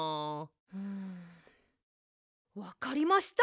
うんわかりました！